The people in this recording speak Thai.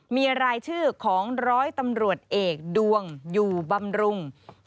มีรายชื่อของร้อยตำรวจเอกดวงอยู่บำรุง